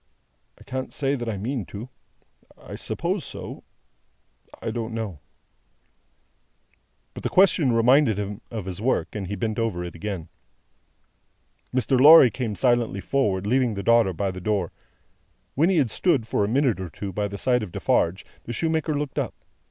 "I can't say that I mean to. I suppose so. I don't know." But, the question reminded him of his work, and he bent over it again. Mr. Lorry came silently forward, leaving the daughter by the door. When he had stood, for a minute or two, by the side of Defarge, the shoemaker looked up.